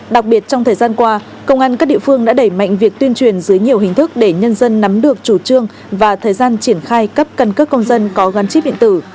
đặc biệt trong thời gian qua công an các địa phương đã đẩy mạnh việc tuyên truyền dưới nhiều hình thức để nhân dân nắm được chủ trương và thời gian triển khai cấp căn cước công dân có gắn chip điện tử